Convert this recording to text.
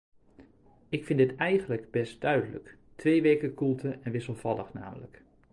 Ik vind dit eigenlijk best duidelijk, twee weken koelte en wisselvallig namelijk.